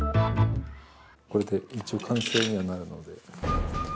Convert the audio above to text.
これで一応完成にはなるので。